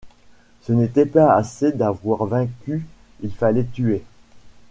Ce n’était pas assez d’avoir vaincu, il fallait tuer